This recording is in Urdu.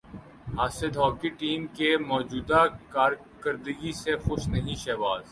حاسد ہاکی ٹیم کی موجودہ کارکردگی سے خوش نہیں شہباز